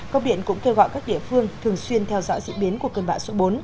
công điện cũng kêu gọi các địa phương thường xuyên theo dõi diễn biến của cơn bão số bốn